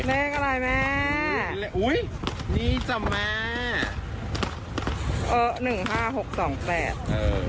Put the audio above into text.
เลขอะไรแม่อุ้ยนี่จ้ะแม่เออหนึ่งห้าหกสองแปดเออ